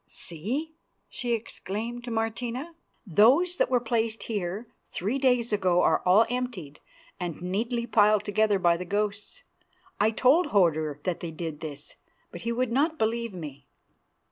"See!" she exclaimed to Martina, "those that were placed here three days ago are all emptied and neatly piled together by the ghosts. I told Hodur that they did this, but he would not believe me.